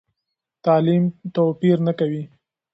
تعلیم توپیر نه کوي.